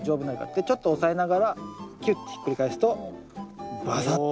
でちょっと押さえながらキュッてひっくり返すとバサッと。